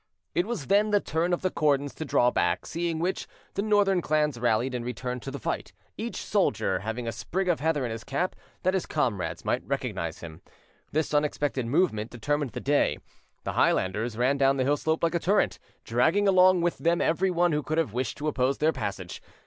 It was then the turn of the Cordons to draw back, seeing which, the northern clans rallied and returned to the fight, each soldier having a sprig of heather in his cap that his comrades might recognise him. This unexpected movement determined the day: the Highlanders ran down the hillside like a torrent, dragging along with them everyone who could have wished to oppose their passage.